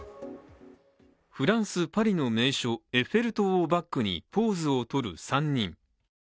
フランス・パリの名所、エッフェル塔をバックにポーズをとる３人。